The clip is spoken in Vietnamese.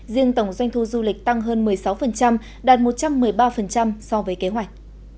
riêng tổng doanh thu du lịch tăng hơn một mươi sáu đạt một trăm một mươi ba so với kế hoạch